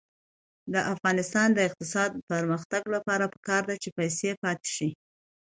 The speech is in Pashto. د افغانستان د اقتصادي پرمختګ لپاره پکار ده چې پیسې پاتې شي.